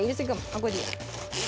あっこれでいいや。